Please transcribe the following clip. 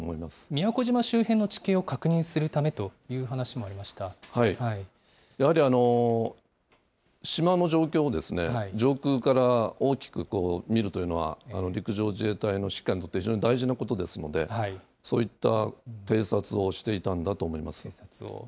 宮古島周辺の地形を確認するやはり島の状況を上空から大きく見るというのは、陸上自衛隊の指揮官として非常に大事なことですので、そういった偵察をしていたんだと思います。